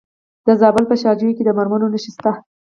د زابل په شاجوی کې د مرمرو نښې شته.